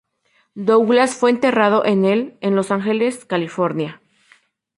Douglas fue enterrado en el en Los Ángeles, California.